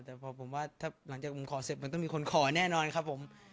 แต่นะหลังจากผมขอเสร็จผมต้องมีคนขอแน่นอนครับผม